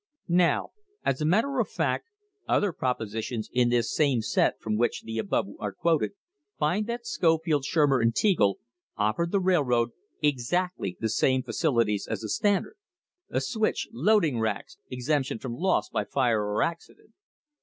Now, as a matter of fact, other propositions in this same set from which the above are quoted, find that Scofield, Shurmer and Teagle offered the railroad exactly the same facilities as the Standard, a switch, loading racks, exemption from loss by fire or accident.